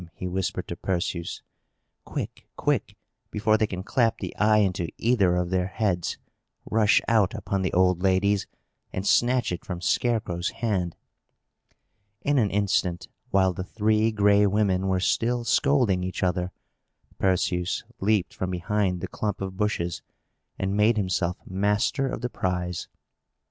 he whispered to Perseus. "Quick, quick! before they can clap the eye into either of their heads. Rush out upon the old ladies, and snatch it from Scarecrow's hand!" In an instant, while the Three Gray Women were still scolding each other, Perseus leaped from behind the clump of bushes, and made himself master of the prize.